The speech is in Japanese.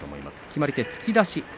決まり手は突き出しです。